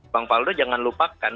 bang valdo jangan lupakan